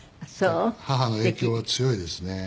母の影響は強いですね。